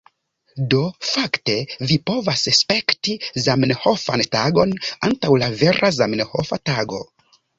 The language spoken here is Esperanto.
Do, fakte vi povas spekti Zamenhofan Tagon antaŭ la vera Zamenhofa Tago.